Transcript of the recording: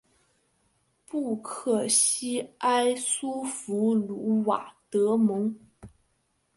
布克西埃苏弗鲁瓦德蒙。